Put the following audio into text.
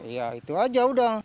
ya itu aja udah